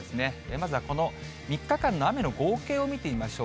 まずはこの３日間の雨の合計を見てみましょう。